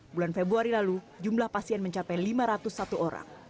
bulan februari lalu jumlah pasien mencapai lima ratus satu orang